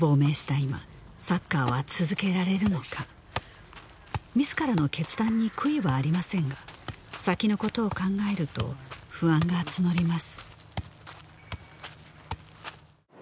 今サッカーは続けられるのか自らの決断に悔いはありませんが先のことを考えると不安が募ります